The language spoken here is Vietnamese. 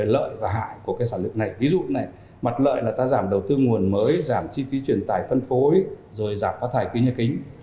là ta giảm đầu tư nguồn mới giảm chi phí truyền tải phân phối rồi giảm phá thải ký nhà kính